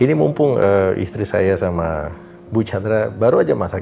ini mumpung istri saya sama bu chandra baru aja masak